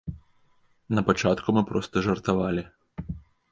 На пачатку мы проста жартавалі.